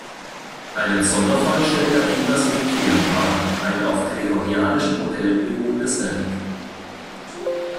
Einen Sonderfall stellt dagegen das Requiem dar, ein auf gregorianischen Modellen beruhendes Werk.